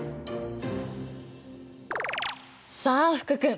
さあ福君